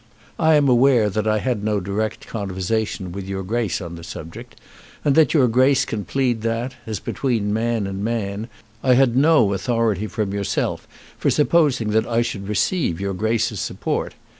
I am aware that I had no direct conversation with your Grace on the subject, and that your Grace can plead that, as between man and man, I had no authority from yourself for supposing that I should receive your Grace's support.